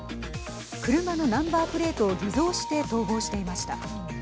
車のナンバープレートを偽造して逃亡していました。